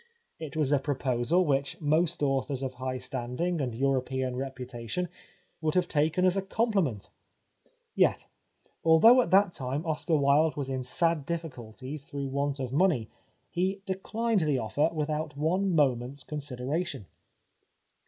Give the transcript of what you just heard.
It was a proposal which most authors of high standing and Euro pean reputation would have taken as a compli ment. Yet, although at that time Oscar Wilde was in sad difficulties through want of money, he declined the offer without one moment's consideration.